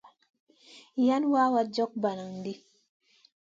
Yan wawa jog bananʼ ɗi.